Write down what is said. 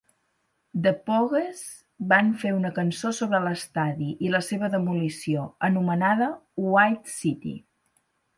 The Pogues van fer una cançó sobre l'estadi i la seva demolició, anomenada "White City".